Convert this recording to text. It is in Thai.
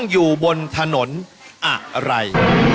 คุณตนออะไร